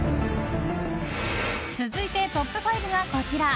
続いてトップ５が、こちら。